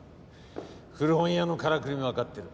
古本屋のからくりもわかってる。